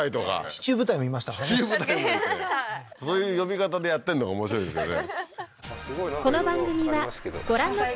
地中部隊もいてそういう呼び方でやってんのが面白いですよね